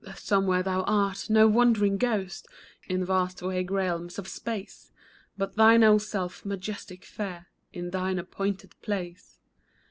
Somewhere thou art. No wandering ghost In vast, vague realms of space — But thine own self, majestic, fair, In thine appointed place.